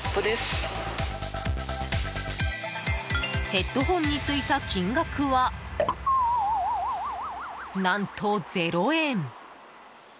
ヘッドホンについた金額は何と０円。